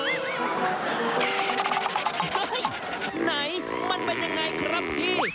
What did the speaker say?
เฮ่ยไหนมันเป็นอย่างไรครับพี่